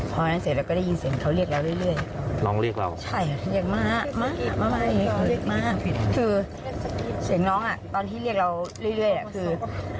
ตอนที่เรียกเรายังเลยเลยอะคือ